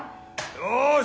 よし。